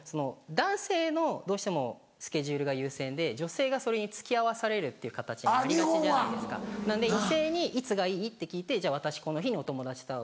男性のどうしてもスケジュールが優先で女性がそれに付き合わされるっていう形になりがちじゃないですかなので女性に「いつがいい？」って聞いて「じゃあ私この日にお友達と会うね」。